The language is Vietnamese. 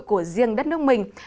của riêng đất nước mình